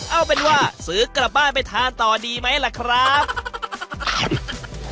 เอาเป็นว่าซื้อกลับบ้านไปทานต่อดีไหมล่ะครับ